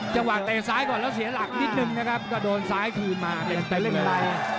จังหวังเตะซ้ายก่อนแล้วเสียหลักนิดนึงนะครับกระโดนซ้ายคืนมาเต็มเลย